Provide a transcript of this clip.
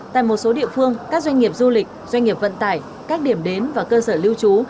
tại một số địa phương các doanh nghiệp du lịch doanh nghiệp vận tải các điểm đến và cơ sở lưu trú